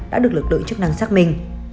đã được lực lượng chức năng xác minh